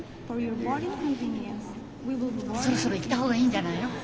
そろそろ行った方がいいんじゃないの？